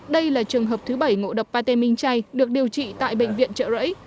đây là trường hợp thứ bảy ngộ đập bà tê minh chay được điều trị tại bệnh viện trợ rẫy